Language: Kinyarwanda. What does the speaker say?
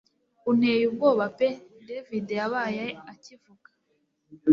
unteye ubwoba pe david yabaye akivuga